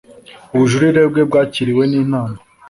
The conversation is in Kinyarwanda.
ubujurire bwe bwakiriwe ninama